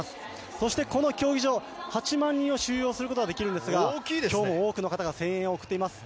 そしてこの競技場、８万人を収容することができるんですが今日も、多くの方が声援を送っています。